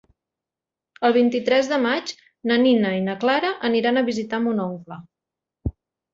El vint-i-tres de maig na Nina i na Clara aniran a visitar mon oncle.